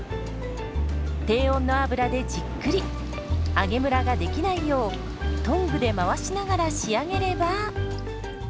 低温の油でじっくり揚げむらができないようトングで回しながら仕上げれば。